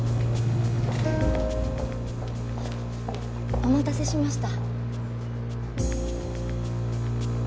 お待たせしました。